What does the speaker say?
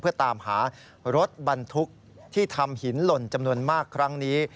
เพื่อตามหารถบรรทุกที่ทำหินหล่นจำนวนมากครั้งนี้